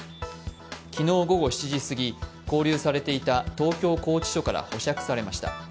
昨日午後７時過ぎ、勾留されていた東京拘置所から保釈されました。